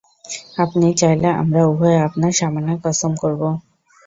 আপনি চাইলে আমরা উভয়ে আপনার সামনে কসম করবো।